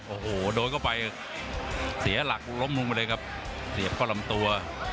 โอ้โหโดนเข้าไปเสียหลักล้มลงไปเลยครับเสียบเข้าลำตัว